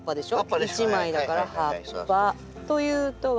１枚だから葉っぱ。というとわき芽は。